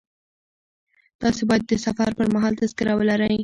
تاسي باید د سفر پر مهال تذکره ولرئ.